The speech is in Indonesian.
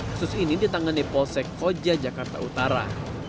kursus ini ditangani posek koja jakarta utara